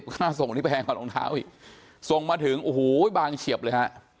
ค่าส่งนี่แพงกว่ารองเท้าอีกส่งมาถึงโอ้โหบางเฉียบเลยฮะ